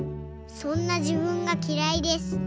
そんなじぶんがきらいです。